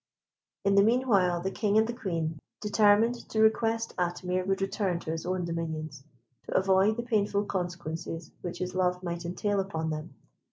In the meanwhile, the King and the Queen determined to request Atimir would return to his own dominions, to avoid the painful consequences which his love might entail upon them.